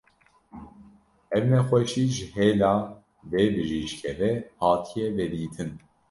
Ev nexweşî ji hêla vê bijîşkê ve hatiye vedîtin.